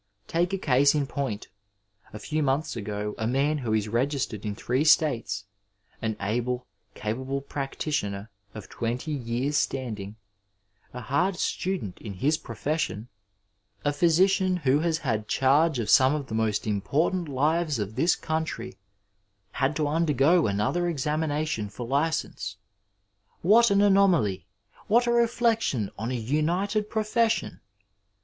Take a case in point: A few months ago a man who is registered in three states, an able, capable practitioner of twenty years' standing, a hard student in his profession, a physician who 463 Digitized by Google UNITY, PEACE, AND CONCORD kas had charge of some of the most important lives of this country, had to undergo another examination for licence. What an anomaly ! What a reflection on a united pro fession